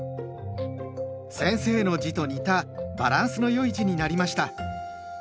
先生の字と似たバランスの良い字になりました。